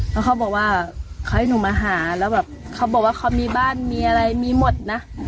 แล้วเขาบอกว่าเขาให้หนูมาหาแล้วแบบเขาบอกว่าเขามีบ้านมีอะไรมีหมดนะ